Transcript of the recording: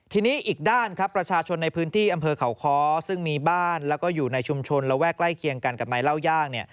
ทีนี้อีกด้านครับประชาชนในพื้นที่อำเภอเขาค้อซึ่งมีบ้านแล้วก็อยู่ในชุมชนระแวกใกล้เคียงกันกับนายเล่าย่างเนี่ย